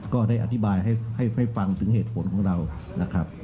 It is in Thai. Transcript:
ก็ได้อธิบายให้ฟังถึงเหตุผลของเรานะครับ